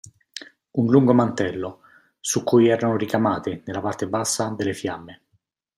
Un lungo mantello, su cui erano ricamate nella parte bassa delle fiamme.